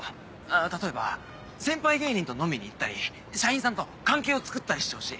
例えば先輩芸人と飲みに行ったり社員さんと関係をつくったりしてほしい。